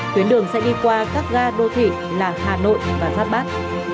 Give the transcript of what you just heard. tuyến đường sẽ đi qua các gà đô thị là hà nội và giáp bác